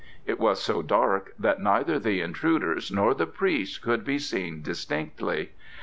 It was so dark that neither the intruders nor the priest could be seen distinctly.